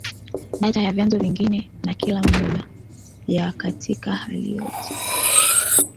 data ya vyanzo vingine na kila moja yao katika hali yoyote